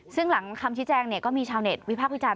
ซึ่งหลังคำชี้แจงก็มีชาวเน็ตวิพากษ์วิจารณ